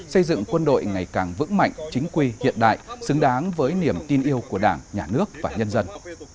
xây dựng quân đội ngày càng vững mạnh chính quy hiện đại xứng đáng với niềm tin yêu của đảng nhà nước và nhân dân